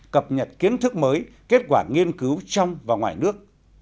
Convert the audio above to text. cập nhật kiến thức mới kết quả nghiên cứu trong và ngoài nước